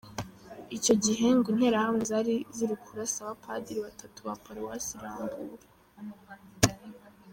Icyo gihe, ngo interahamwe zari ziri kurasa abapadiri batatu ba Paruwasi Rambura.